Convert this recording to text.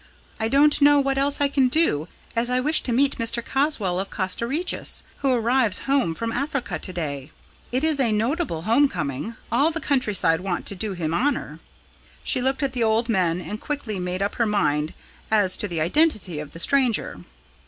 I don't know what else I can do, as I wish to meet Mr. Caswall of Castra Regis, who arrives home from Africa to day. It is a notable home coming; all the countryside want to do him honour." She looked at the old men and quickly made up her mind as to the identity of the stranger.